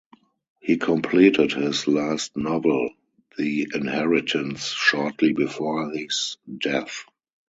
He completed his last novel, "The Inheritance", shortly before his death.